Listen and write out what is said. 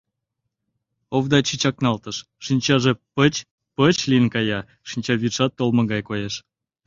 — Овдачи чакналтыш, шинчаже пыч-пыч лийын кая, шинчавӱдшат толмо гай коеш.